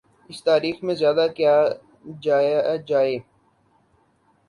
اس تاریخ میں زیادہ کیا جایا جائے۔